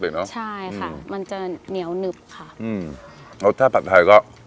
อืมรสชาติผัดไทยก็